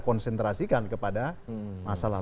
konsentrasikan kepada masalah